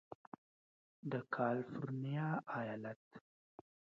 د کالفرنیا ایالت